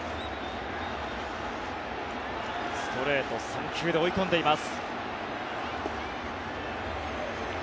ストレート３球で追い込んでいます。